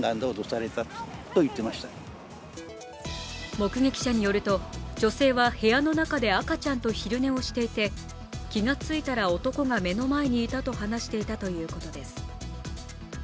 目撃者によると女性は部屋の中で赤ちゃんと昼寝をしていて気がついたら男が目の前にいたと話していたということです。